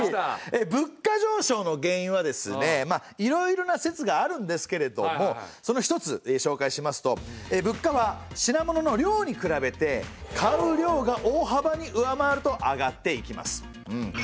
物価じょうしょうの原因はですねいろいろな説があるんですけれどもその一つしょうかいしますと物価は品物の量に比べて買う量がおおはばに上回ると上がっていきます。